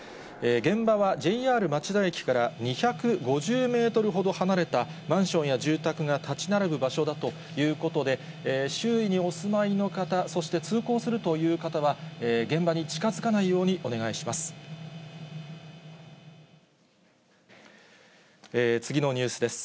現場は、ＪＲ町田駅から２５０メートルほど離れたマンションや住宅が建ち並ぶ場所だということで、周囲にお住まいの方、そして通行するという方は現場に近づかないようにお願いします。